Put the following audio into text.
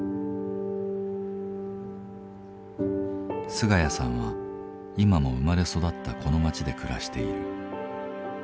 菅家さんは今も生まれ育ったこの町で暮らしている。